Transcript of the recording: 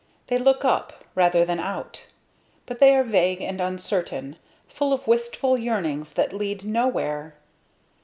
They look up rather than out. But they are vague and uncertain, full of wistful yearnings that lead nowhere.